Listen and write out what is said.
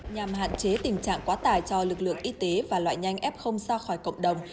nhằm hạn chế tình trạng quá tải cho lực lượng y tế và loại nhanh f ra khỏi cộng đồng